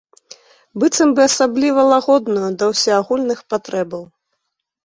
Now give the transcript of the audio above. Быццам бы асабліва лагодную да ўсеагульных патрэбаў.